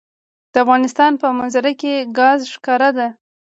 د افغانستان په منظره کې ګاز ښکاره ده.